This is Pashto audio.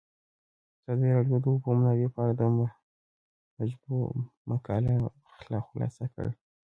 ازادي راډیو د د اوبو منابع په اړه د مجلو مقالو خلاصه کړې.